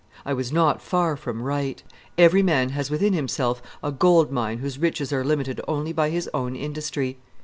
I was not far from right. Every man has within himself a gold mine whose riches are limited only by his own industry.